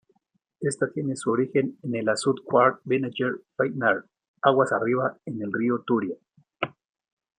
Esta tiene su origen en el azud Cuart-Benáger-Faitanar, aguas arriba, en el río Turia.